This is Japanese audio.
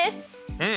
うん！